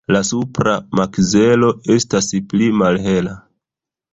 La supra makzelo estas pli malhela.